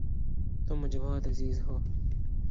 تم مجھے بہت عزیز ہو